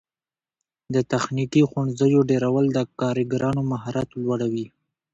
د تخنیکي ښوونځیو ډیرول د کارګرانو مهارت لوړوي.